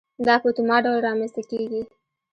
دا په اتومات ډول رامنځته کېږي.